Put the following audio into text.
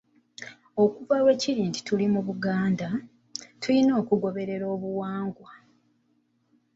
"Okuva lwe kiri nti tuli mu Buganda, tulina okugoberera obuwangwa."